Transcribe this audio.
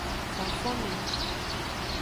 Fonfonme.